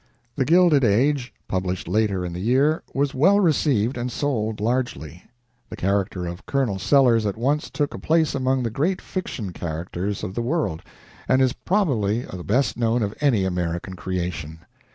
"The Gilded Age," published later in the year, was well received and sold largely. The character of Colonel Sellers at once took a place among the great fiction characters of the world, and is probably the best known of any American creation.